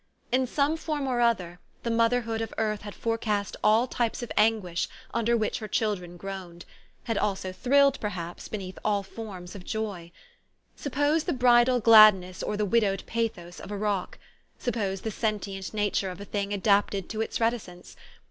In some form or other, the motherhood of earth had forecast all types of anguish under which her children groaned ; had also thrilled, perhaps, beneath all forms of joy. Suppose the bridal gladness or the widowed pathos of a rock. Suppose the sen tient nature of a thing adapted to its reticence.